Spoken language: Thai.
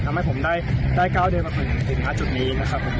ทำให้ผมได้ก้าวเดินมาถึงณจุดนี้นะครับผม